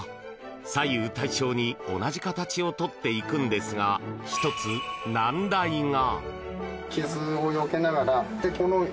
左右対称に同じ形をとっていくのですが１つ難題が。